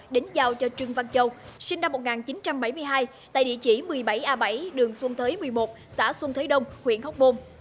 đến giao cho trương văn châu sinh năm một nghìn chín trăm bảy mươi hai tại địa chỉ một mươi bảy a bảy đường xuân thới một mươi một xã xuân thới đông huyện hóc môn